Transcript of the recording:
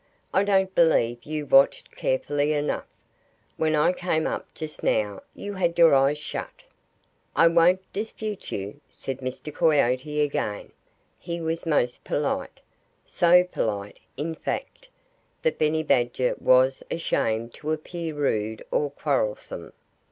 I don't believe you watched carefully enough. When I came up just now you had your eyes shut." "I won't dispute you," said Mr. Coyote again. He was most polite so polite, in fact, that Benny Badger was ashamed to appear rude or quarrelsome.